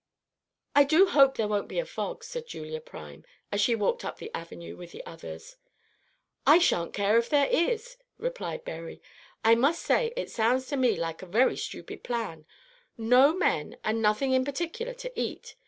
"I do hope there won't be a fog," said Julia Prime, as she walked up the Avenue with the others. "I sha'n't care if there is," replied Berry. "I must say it sounds to me like a very stupid plan, no men, and nothing in particular to eat.